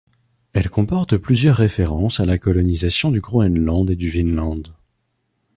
Elle comporte plusieurs références à la colonisation du Groenland et du Vinland.